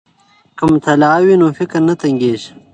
که مطالع وي نو فکر نه تنګیږي.